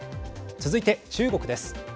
続いて中国です。